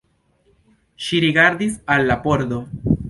Ŝi rigardis al la pordo.